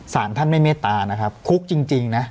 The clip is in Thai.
สารท่านไม่เมตตานะครับคุกจริงนะ